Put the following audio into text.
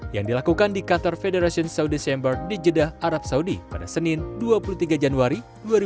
yang dilakukan di qatar federation saudi chamber di jeddah arab saudi pada senin dua puluh tiga januari dua ribu dua puluh